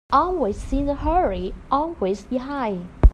Always in a hurry, always behind.